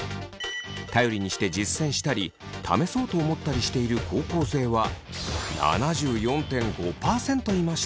頼りにして実践したり試そうと思ったりしている高校生は７４．５％いました。